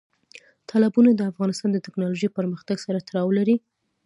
تالابونه د افغانستان د تکنالوژۍ پرمختګ سره تړاو لري.